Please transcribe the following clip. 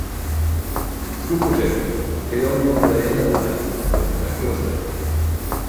Suposem que hi ha un nombre "N" donat de molècules d'aigua.